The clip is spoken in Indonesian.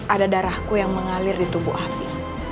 ada darahku yang mengalir di tubuh api